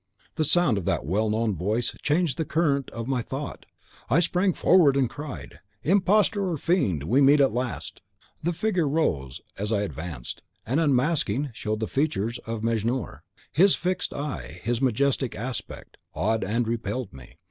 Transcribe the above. "The sound of that well known voice changed the current of my thought. I sprang forward, and cried, "'Imposter or Fiend, we meet at last!' "The figure rose as I advanced, and, unmasking, showed the features of Mejnour. His fixed eye, his majestic aspect, awed and repelled me.